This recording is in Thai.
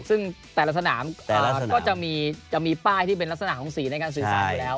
ซึ่งแต่ละสนามก็จะมีป้ายที่เป็นลักษณะของสีในการสื่อสารอยู่แล้ว